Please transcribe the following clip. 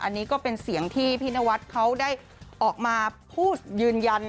อันนี้ก็เป็นเสียงที่พี่นวัดเขาได้ออกมาพูดยืนยัน